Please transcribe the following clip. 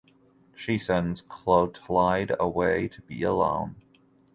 She sends Clotilde away to be alone.